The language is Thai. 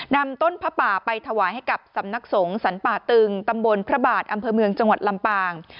นำต้นพระป่าไปถวายให้กับสำนักสงฆ์สรรป่าตึงตำบลพระบาทอำเภอเมืองจังหวัดลำปาง